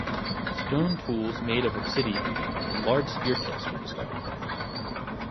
Stone tools made of obsidian and large spear tips were discovered.